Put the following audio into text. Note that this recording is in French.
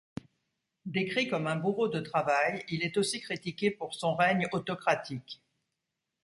Décrit comme un bourreau de travail, il est aussi critiqué pour son règne autocratique.